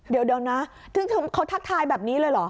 เดี๋ยวนะเขาทักทายแบบนี้เลยเหรอ